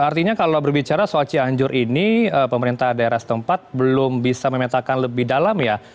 artinya kalau berbicara soal cianjur ini pemerintah daerah setempat belum bisa memetakan lebih dalam ya